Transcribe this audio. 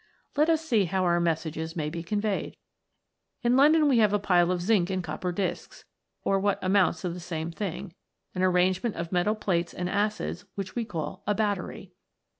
Let us see how our messages may be con veyed. In London we have a pile of zinc and copper disks, or what amounts to the same thing, an ar rangement of metal plates and acids which we call a battery.